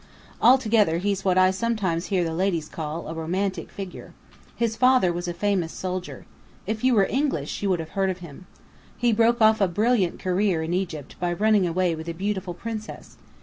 Altogether he's what I sometimes hear the ladies call 'a romantic figure.' His father was a famous soldier. If you were English you would have heard of him. He broke off a brilliant career in Egypt by running away with a beautiful princess.